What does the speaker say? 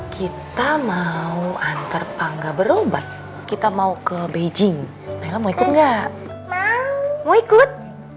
kita mau antar pangga berobat kita mau ke beijing mau ikut enggak mau ikut